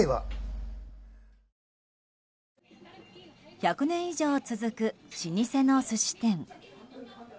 １００年以上続く老舗の寿司店。